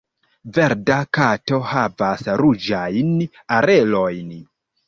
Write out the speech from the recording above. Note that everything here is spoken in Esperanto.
Verda Kato havas ruĝajn orelojn.